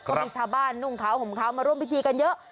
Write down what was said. ก็มีชาวบ้านนุ่งขาวห่มขาวมาร่วมพิธีกันเยอะ